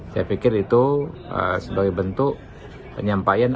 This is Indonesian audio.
saya pikir itu sebagai bentuk penyampaian